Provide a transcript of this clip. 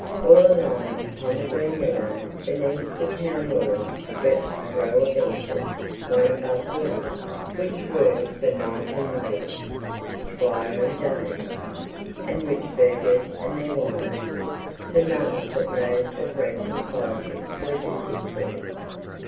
All along upon the green meadow beneath the town wall stretched a row of benches, one above the other, which were for knight and lady, squire and dame, and rich burghers and their wives; for none but those of rank and quality were to sit there.